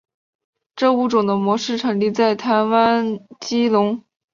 该物种的模式产地在台湾基隆。